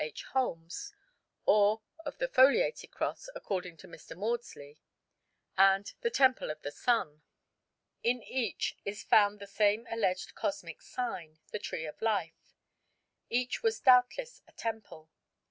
H. Holmes), or of the Foliated Cross (according to Mr. Maudslay), and the Temple of the Sun. In each is found the same alleged cosmic sign, the Tree of Life. Each was doubtless a temple.